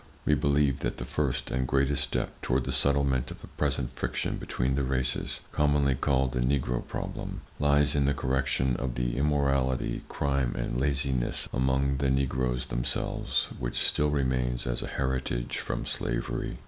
We believe that the first and greatest step toward the settlement of the present friction between the races—commonly called the Negro Problem—lies in the correction of the immorality, crime and laziness among the Negroes themselves, which still remains as a heritage from slavery.